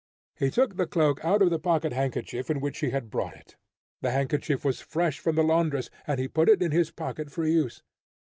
He took the cloak out of the pocket handkerchief in which he had brought it. The handkerchief was fresh from the laundress, and he put it in his pocket for use.